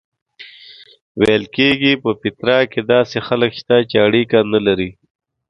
ویل کېږي په پیترا کې داسې خلک شته چې اړیکه نه لري.